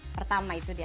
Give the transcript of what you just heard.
pertama itu dia